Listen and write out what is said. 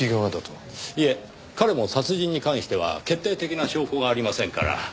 いえ彼も殺人に関しては決定的な証拠がありませんから。